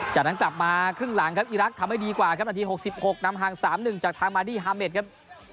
จากนั้นกลับมาครึ่งหลังครับอีรักษ์ทำให้ดีกว่าครับนาที๖๖นำห่าง๓๑จากทางมาดี้ฮาเมดครับ